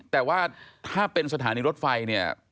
แต่ว่าถ้าเป็นสถานีรถไฟเนี่ย